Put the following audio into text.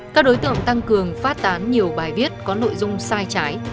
các đối tượng tăng cường phát tán nhiều bài viết có nội dung sai trái